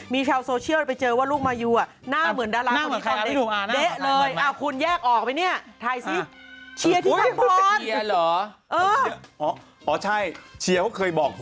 มีเท่าโซเชียลไปเจอว่าลูกมายูน่าเหมือนดาราคนนี้ตอนเด็ก